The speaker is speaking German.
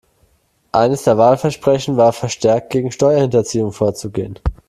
Eines der Wahlversprechen war, verstärkt gegen Steuerhinterziehung vorzugehen.